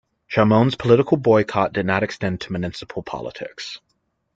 Chamoun's political boycott did not extend to municipal politics.